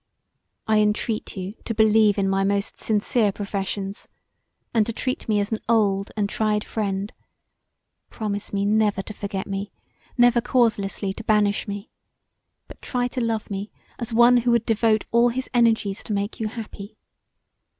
I entreat you to believe in my most sincere professions and to treat me as an old and tried friend: promise me never to forget me, never causelessly to banish me; but try to love me as one who would devote all his energies to make you happy.